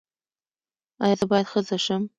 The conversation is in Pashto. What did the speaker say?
ایا زه باید ښځه شم؟